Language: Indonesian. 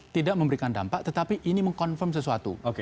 tidak memberikan dampak tetapi ini mengonfirm sesuatu